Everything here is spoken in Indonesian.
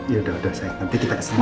ya udah udah sayang nanti kita kesini lagi